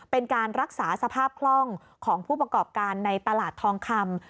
เป็นการรักษาสภาพคล่องของผู้ประกอบการในตลาดทองคำ